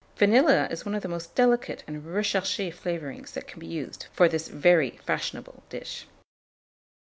Vanilla is one of the most delicate and recherché flavourings that can be used for this very fashionable dish.